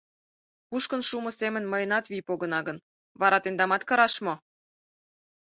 — Кушкын шумо семын мыйынат вий погына гын, вара тендамат кыраш мо?